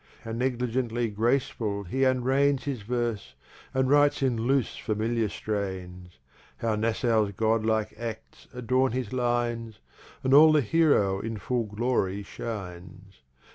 How negligently Graceful he unrein's His Verse, and writes in loose Familiar strains; How Nassau's Godlike Acts adorn his Lines, And all the Heroe in full Glory Shines.